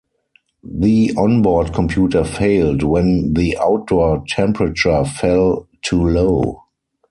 The on-board computer failed when the outdoor temperature fell too low.